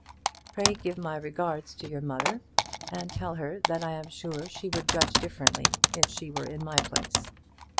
Pray give my regards to your mother, and tell her that I am sure she would judge differently if she were in my place.